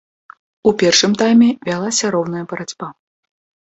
У першым тайме вялася роўная барацьба.